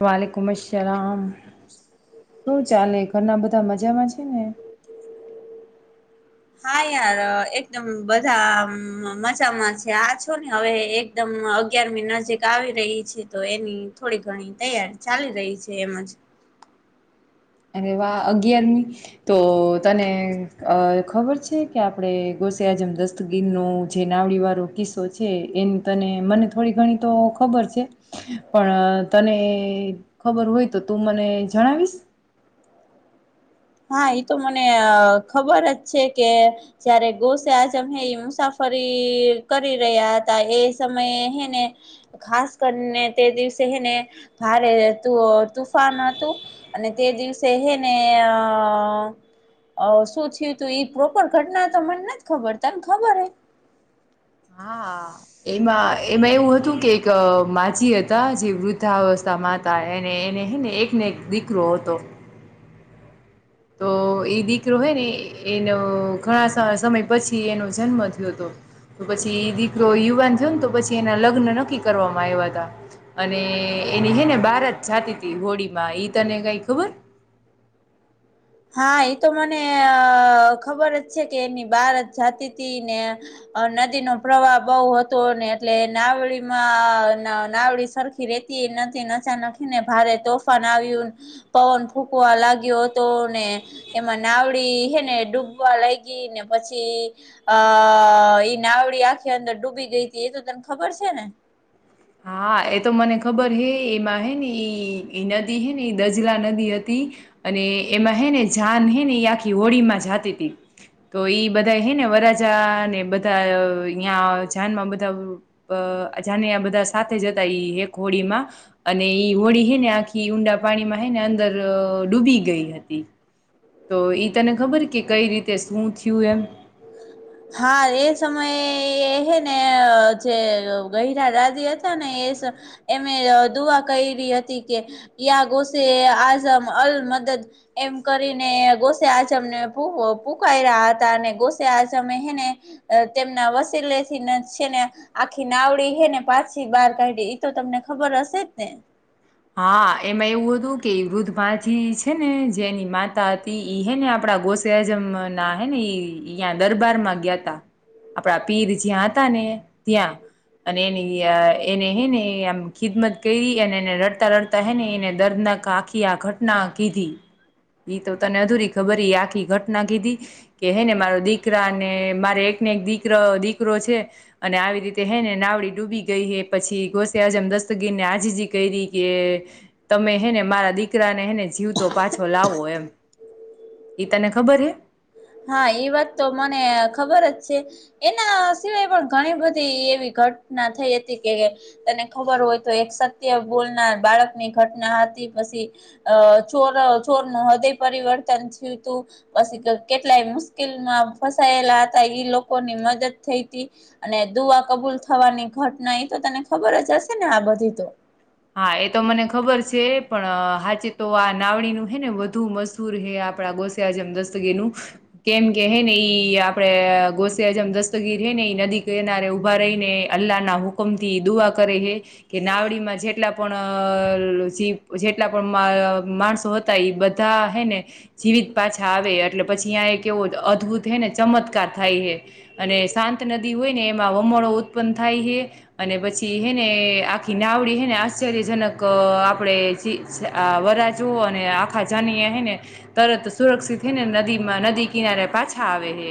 વલીલેકમ અસલામ શું ચાલે ઘરના બધા મજામાં છે ને હા યાર એકદમ બધા મજામાં છે આ છો ને હવે એકદમ અગિયારમી નજીક આવી રહી છે તો એની થોડી ઘણી તૈયારી ચાલી રહી છે એમજ અને વા અગિયારમી તો તને અ ખબર છે કે આપડે આજમ દસ્તગીર નો જે નાવડી વાળો કિસ્સો છે એ તને મને થોડી ઘણી તોર ખબર છે પણ તને ખબર હોય તો તું મને જણાવીશ હા એ તો મને ખબર જ છે કે જયારે ગોસે આજમ હે મુસાફર કરી રહ્યા હતા એ સમયે હ ને ખાસ કરીને તે દિવસે ને ભારે તુ તુફાન હતું અને તે દિવસે હેને હા. અ શું થયું તું એ પ્રોપર ઘટના તો મને નથી ખબર તને ખબર હ હા એમાં એમાં એવું હતું કે એક માજી હતા જે વૃદ્ધાવસ્થા મા હતા એને એને હ ને એકને એક દીકરો હતો તો એ દીકરો હોય ને એનો ઘણા સમય પછી એનો જન્મ થયો હતો તો પછી દીકરો યુવાન થયો ને તો પછી એના લગ્ન નક્કી કરવામાં આવ્યા હતા અને એની છેે ને બારત જાતી ત હોળી માં એઈ તને કઈ ખબર [inaudible] હા એતો મને અ ખબર જ છે કે એની બાર જાતિથી ને નદી નો પ્રવાહ બહુ હતો ને એટલે નાવડીમાં નાવડી સરખી રેતી નચા નાખીને ભારે તોફાન આવ્યું પવન ફૂકવા લાગ્યો તો ને એમાં નાવડી હેને ડૂબવા લાગી ને પછી આ એ નાવડી આખી અંદર ડૂબી ગઈ હતી એ તો તને ખબર છે ને હ [inaudible] હા એ તો મને ખબર હે એમાં હે ને ઈ નદી હે ને દજલા નદી હતી અને એમાં હે ને જાન હેને એ આખી હોળી માં જાતી હતી તો ઈ બધા હે ને વરાજા ને બધા હં જાનમાં બધા અજાને આ બધા સાથે જતા એક હોડીમાં અને ઈ હોડી હે ને આખી ઊંડા પાણીમાં હે ને અંદર ડૂબી ગઈ હતી તો ઈ તને ખબર કે કઈ રીતે શું થયું એમ હા એ સમયે એ હે ને જે ગરા રાજ હતા ને એ એ દુઆ કરી હતી કે યા ગોસે આઝમ અલ મ એમ કરીને ગોસે આચમને પૂ પૂખાય રહ્યા હતા અને ગોસે આ ને તેમના વસીલે થી છેને આખી નાવડી હેને પાછી બાર ક તો તમને ખબર હશે જ ને હા એમાં એવું હતું કે વૃદ્ધ માથી છે ને જે એની માતા હતી ઈ હ ને આપડા ગો સજ ના હ ને દરબાર માં ગયાતા આપણા પીર જ્યાં હતા ને ત્યાં અને એની એને હે ને આમ ખિદમત કરી અને એને ર લડતા હ એને દર્દનાક આખી આ ઘટના કીધી ઈ તો તને અધુરી ખબર આખી ઘટના કીધી કે હેને મારો દીકરા ને મારે એક દીક દીકરો છે અને આવી રીતે હે ને નાવડી ડૂબી ગઈ હ પછી ઘોસે હજમ તગી ન્યાજી ક ર કે તમે હેને મારા દીકરાને હેને જીવતો પાછો લાવો એમ એઈ તને ખબર હે હા એ વાત તો મને ખબર જ છે એના સિવાય પણ ઘણી બધી એવી. ઘટના થઈ હતી કે તને ખબર હોય તો એક સત્ય બોલનાર બાળકની ઘટના હતી. પછી અ ચોર ચોર ન હદય પરિવર્તન થયું તું પછી કેટલાય મુશ્કેલમાં ફસાયેલા હતા ઈ લોકોની મદદ થઈ હતી અને દુઆ કબૂ લ થવાની ઘટના એ તો તને ખબર જ હશે ને આ બધી તો હા એ તો મને ખબર છે પણ હાચે તો આ નાવડીનુંું હે ને વધુ મધૂર હે આપ ગોસિયાજમ દસ્તગીર નું કેમ કે ને ઈ આપડે ગોસિયાજમ દસ્તગીર નદી કિનારે ઉભા રહી ને અલ્લાહના હુકમ થી દુઆ કરે છેે કે નાવડીમાં જે જેટલા પણ જેટલા પણ માણસો હતા એ બધા હૈ ને જીવિત પાછા આવે એટલે પછી આં એ કેવો અદ્ભુત હે ને ચમત્કાર થાય હ અને શાંત નદી હોય ને એમાં વમળો ઉત્પન્ન થાય છે અને પછી હેને આખી નાવડી હેને આશ્ચરજનક આપણે વરા જુઓ અને આખા જાન્યા હ ને તરત સુરક્ષિત છે ને નદીમાં નદી કિનારે પાછા આવે હે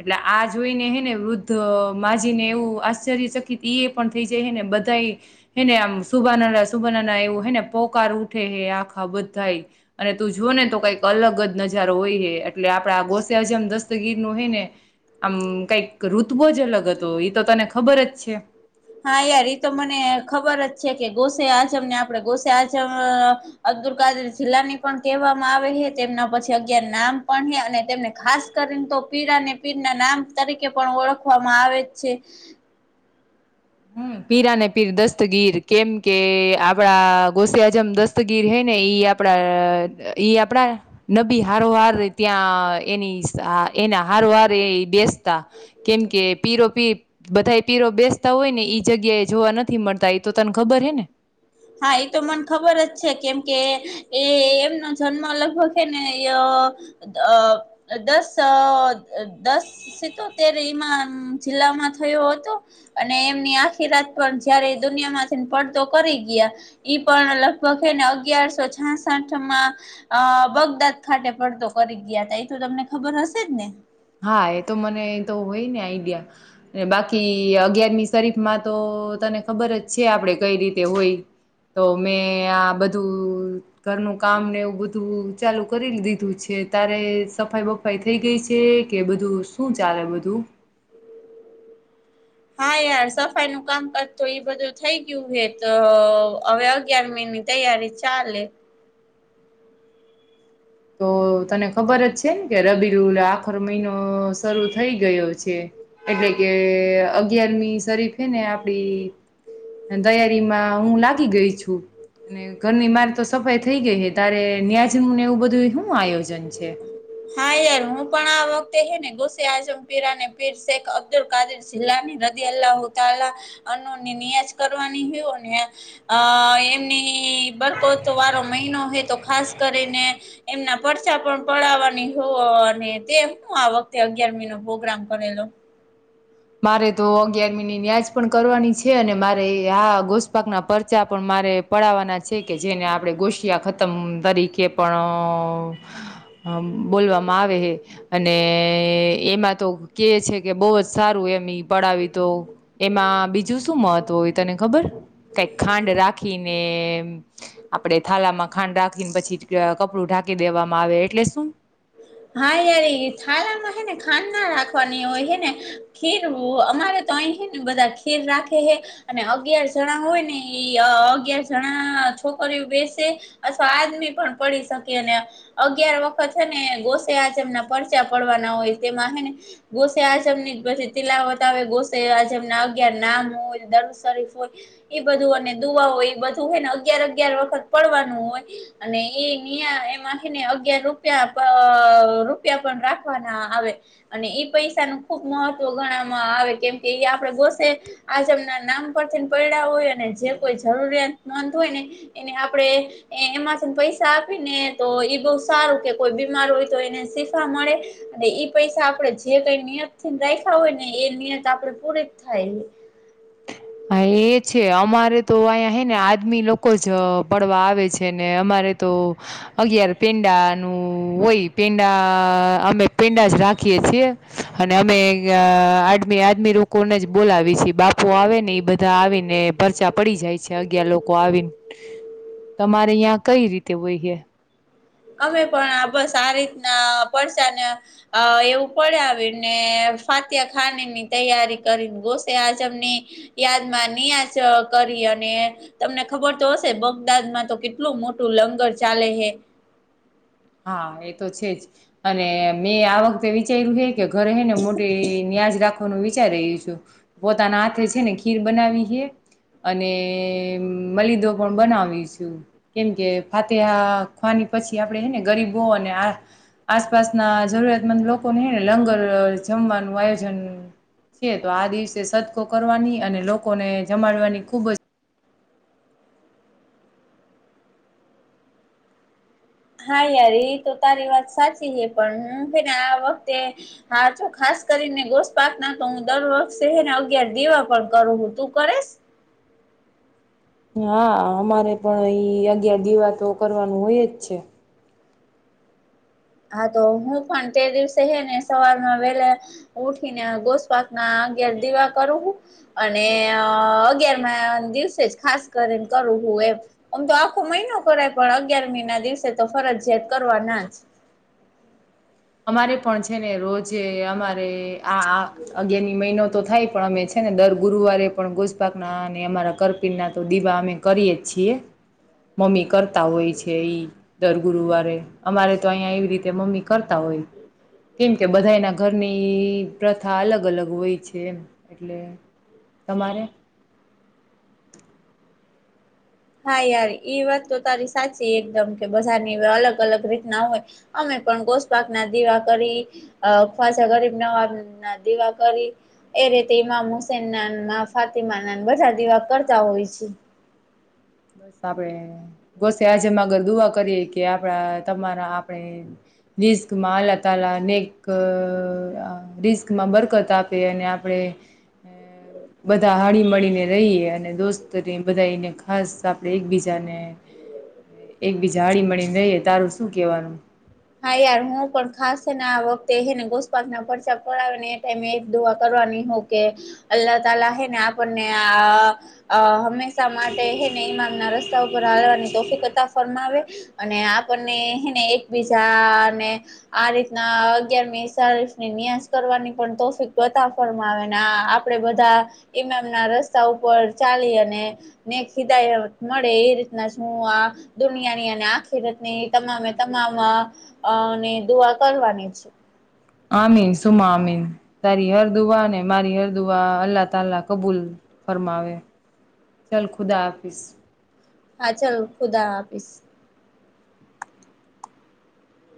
એટલે આ જોઈ ને હે ને વૃદ્ધ મામાંજીને એવું આશ્ચર્ય ચકિત ઈ એ પણ થઈ જાય હે ને બધ તઈ એને આમ સુબાનાના સુબાના ના એવું હે ને પોકાર ઉઠે હે આખા બધાાઈ અને તું જો ને તો કઈક અલગ જ નજારો હોય હ એટલે આપડા ગોસ જેમ દસ્તગીર નું હોય ને આમ કઈક ઋતબો જ અલગ હતો એ તો તને ખબર જ છે. હા યાર એ તો મને ખબર જ છે કે ગોસે આજમ ને આપડે ગોસે આજમ અબ્દુલ ક જિલ્લા ની પણ કહેવામાં આવે છે તેમના પછી અગિયાર નામ પણ હે અને તેમને ખાસ કરીને. તો પીરા અને પીરના નામ તરીકે પણ ઓળખવામાં આવે છે. પીરાને પીર દસ્તગીર કેમ કે આપડા ગોસિયાજમ દસ્તગીર હે ને ઈ આપડા ઈ આપડા નબી હારોહાર ત્યાં એની એના હાર વાર એ બેસતા કેમકે પીરો પી બધા પીરો બેસતા હોય ને. જગ્યા એ જોવા નથી મળતા એ તો તને ખબર હે ને. હા એ તો મને ખબર જ છે કેમ કે એ એમનો જન્મ લગભગ છેને. દસ દસ સતેર ઈમાન જિલ્લામાં થયો હતો અને એમની આખી રાત પણ જયારે દુનિયા માંથી પડતો કરી. ગ ઈ પણ લગભગ એને અગિયારસો છાસઠમાં બગદાદ ખાતે. પડતો કરી ગયા તા એ તો તમને ખબર હશે જ ને. હા એ તો મને તો હોય ને આઈડિયા ને બાકી અગિયારમી શરીફ માં તો તો તને ખબર જ છે આપડે કઈ રીતે હોય. તો મેં આ બધું ઘરનું કામ ને એવું બધું ચાલુ કરી દીધું છે. તારે સફાઈ બફાઈ થઈ ગઈ છે. કે બધું શું ચાલે બધું. હા યાર સફાઈ નું કામકાજ તો એ બધું થઈ ગયું હ તો હવે અગિયાર મહિના ની તૈયારી ચાલે તો તને ખબર જ છે ને કે રબીરુલ આખર મહિનો શરૂ થઈ ગયો છે. એટલે કે અગિયારમી શરીફે ને આપડી દયારીમાં હું લાગી ગઈ છું. અને ઘરની મારે તો સફાઈ થઈ ગઈ હ તારે ન્યાજમ ને એવું બધું. હું આયોજન છે. હા યાર હું પણ આ વખતે હે ને ગુસે આઝમ પીરા અને પીર શેખ અબ્દુલ કાદીર જિલ્લાની હ અન્શ કરવાની ને એમની બરકો વારો મહિનો હોય તો ખાસ કરીને એમના પચા પણ પડાવવાની અને તે શું આ વખતે અગિયાર મહિનો પ્રોગ્રામ કરેલો મારે તો અગિયારમીની ન્યાજ પણ કરવાની છે અને મારે આ ગોસ્પાક ના પરચા પણ મારે પડાવવાના છે કે જેને આપડ ગોશિયા ખતમ તરીકે પણ બોલવામાં આવે હ અને એમાં તો કે છે કે બહ જ સારું એમ પડાવી તો એમાં બીજું શું મહત્વ હોય તને ખબર કઈક ખાંડ રાખીને આપડે થાલા માં ખાંડ રાખીને પછી કપડું ઢા કી દેવામાં આવે એટલે શું હા યાર થારામાં હે ને ખાંડ ના રાખવાની હોય હે ને ખીરવું અમારે તો ને બધા ખીર રાખે હે અને અગિયાર જણા હોય ને એ અગયાર જણા છોકરી બેસે અથવા આદમી પણ પડી શકેને અગિયાર વખત આચમ ના પરચા પડવાના હોય તેમાં હ ને ગોસે આચમ ની પછી તિલાવત આવે ગોસે આજમ અગાર નામ હોય દર શરીફ હોય એ બધું અને દુઆ હોય એ બધું હોય ને અગયાર વખત પડવાનું હોય અને એ એમાંથીને અગયાર રૂપિયા રૂપિયા પણ રાખવાના આવે અને ઈ પૈસા ન ખુબ મહત્વ ગણાવામાં આવે કેમ કે એ આપડે ગોસે આજમ ના નામ પરથીને પડડા હોય અને જે કોઈ જરૂરિયાતમંદ હોય ને એને આપે એમાંથી પૈસા આપી ને તો એ બહ સારું કે કોઈ બીમાર હોય એને શીખા મળે અને ઈ પૈસા આપડણે જે કઈ નિયત થી રાખ્યા હોય ને એ નિયત આપ પ એક થાય હા એ છે અમારે તો અહીંયા હે ને આદમી લોકો જ પડવા આવે છે ને અમારે અગિયાર પેંડા નું હોય પેંડા અમે પેંડા જ રાખી અને અમે આદમી આદમી લોકોને જ બોલાવી છીએ બાપુ આવે ને ને એ બધા આવી ને પરર્ચા પડી જાય છે અગિયાર લોકો આવીને તમારે અ્યાં કઈ રીતે હોયએ અમે પણ બસ આ રીતના પડસા ને એવું પડ્યા આવી ને ફાતિયા ખાન ની તૈયારી કરી ઘોષ આજમ ની યાદમાં નિયાજ કરી અને તમને ખબર તો હશે બગદાદમાં તો કેટલું મોટું લંગર ચાલે હે હા એ તો છેજ અને મેં આ વખતે વિચાર્યું હ કે ઘરે હ ને મોટી ન્યાજ રાખ ું વિચારી રહ્યું છું પોતાના હાથે છે ને ખીર બનાવી છે અને મલિદો પણ બનાવી છું કેમ કે ફાતે ખની પછી આપડે છેને ગરીબો અને આ આસપાસના જરૂરિયાતમંદ લોકોને હને લંગર જમવાનું આયોજન છે તો આ દિવસે સદકો કરવાની અને લોકોને જમાડવાની ખુબ જ હા યાર એ તો તારી વાત સાચી છે પણ હું આ વખતે હા ખાસ ખાસ કરીને ગોષ પાક ના તો હું દર વખત શહેર અગિયાર દીવા પણ કરું હું તું કરેશ હા અમારે પણ એઈ અગિયાર દીવા તો કરવાનું હોય જ છે હા તો હું પણ તે દિવસે હે ને સવારમાં વેલા ઉઠીને ગોસ્પક ના અગિયાર દીવા કરું હું અને અગયાર મા દિવસે જ ખાસ કરીને કરું એમ આમ તો આખો મહિનો કરાય પણ અગિયારમી ના દિવસે તો ફરજિયાત કરવા ના જ અમારે પણ છે ને રોજે અમારે આ અગિયારની મહિનો તો થાય પણ અમે છે ને દર ગુરુવારે પણ ગોસપાક ના અને અમારા કરપીણ ના તો દીવા અમે કરીએ છીએ મમ્મી કરતા હોય છે એઈ દર ગુરુવારે અમારે તો અહં એવી રીતે મમ્મી કર બ ત હોય કેમ કે બધાના ઘરની પ્રથા અલગ અલગ હોય છે એમ એટલે તમારે હા યાર એ વાત તો તારી સાચી એકદમ કે બધાની અલગ અલગ રીતના હોય અમે ગોસપક ના દીવા કરીા ગરીબ નવાબ ના દીવા કરી એ રીતે ઈમામ હુસેન ના ફાતિમા ના બધા દીવા કરતા હોય છે. બસ આપડે ગોસે આજેમાં આગર દુઆ કરીએે કે આપણા તમારા આપણે રિસ્કમાં લ તલા નેક રિસ્કમાં બરકત આપે અને આપડણે અ બધા હાડી મળીને રહીએ અને દોસ્તને બધા એને ખાસ આપણે એકબીજાને એકબીજા હળી મળીને રઈએ તારું શું કેવાનું? હા યાર હું પણ ખાસને આ વખતેને ગોસ્પાક ના પચા પડાવે ને એ ટાઈમે દુઆ કર. કે અલ્લાહ તલા હ ને આપણને હંમેશા માટે હ ન રસ્તા ઉપ હવાની તોફતા ફરમાવે, અને આપનેને બીજા અને આ રીતના અગિયાર, મીફની ન્યાશ કરવાની પણ તોફક ફર આવે આપણેે, બધા એમ એમ ના રસ્તા ઉપર ચાલી, અને ખિદાય મળે, એ રીતના શુ આ દુનિયાની અને આખી રીતની, તમામે મા ની દુઆ, કરવાની છે. આમીન સુમા અમીન, તારી હરદુઆ ને મારી હરદુઆ, અલ્લાહ તલા કબૂલ ફરમાવે ચાલ ખુદા, હાફીસ હા, ચાલ ખુદા હાફિ